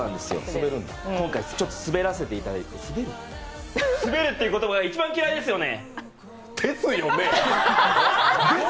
今回滑らせていただいて「滑る」って言葉が一番嫌いですよね！